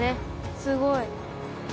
すごい！